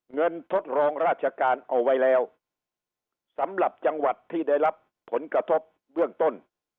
ทดลองราชการเอาไว้แล้วสำหรับจังหวัดที่ได้รับผลกระทบเบื้องต้น